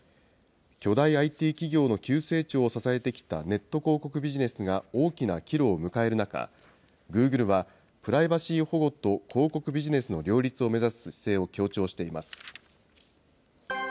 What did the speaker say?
巨大ＩＴ企業の急成長を支えてきた、ネット広告ビジネスが大きな岐路を迎える中、グーグルはプライバシー保護と広告ビジネスの両立を目指す姿勢を強調しています。